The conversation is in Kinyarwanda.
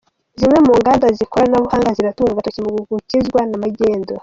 Zimwe mu nganda z’ikoranabuhanga ziratungwa agatoki mu gukizwa na magendu